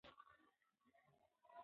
د ځنګلي ونو پېژندنه مهمه ده.